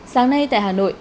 sáng nay tại hà nội